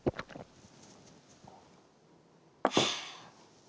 はあ。